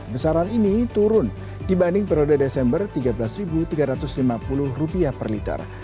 besaran ini turun dibanding periode desember rp tiga belas tiga ratus lima puluh per liter